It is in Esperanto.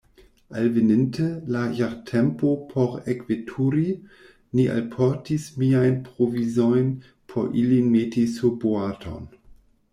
Alveninte la jartempo por ekveturi, ni alportis miajn provizojn por ilin meti surboaton.